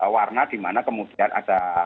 warna dimana kemudian ada